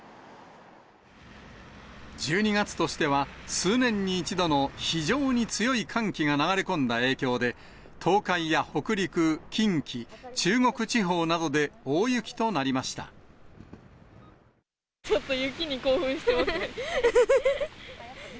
１２月としては数年に一度の非常に強い寒気が流れ込んだ影響で、東海や北陸、近畿、ちょっと雪に興奮してますね。